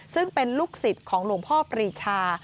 ซึ่งเป็นลูกศิษย์ของหลวงพ่อปรีชา